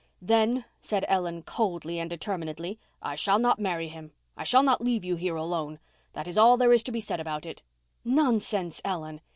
"Then," said Ellen coldly, and determinedly, "I shall not marry him. I shall not leave you here alone. That is all there is to be said about it." "Nonsense, Ellen."